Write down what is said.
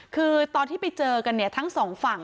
คือตอนที่ไปเจอกันเนี่ยทั้งสองฝั่ง